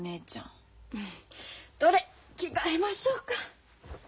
どれっ着替えましょうか。